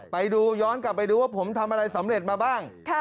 ไปดูย้อนกลับไปดูว่าผมทำอะไรสำเร็จมาบ้าง